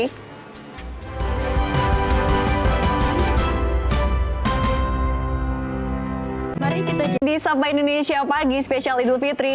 mari kita jadi sampai indonesia pagi spesial idul fitri